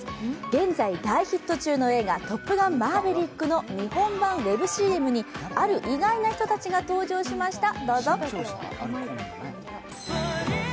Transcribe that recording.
現在、大ヒット中の映画「トップガンマーヴェリック」の日本版ウェブＣＭにある意外な人たちが登場しました。